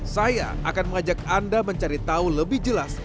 saya akan mengajak anda mencari tahu lebih jelas